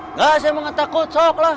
nggak saya mah takut